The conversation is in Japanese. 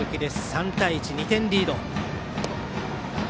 ３対１、２点リード。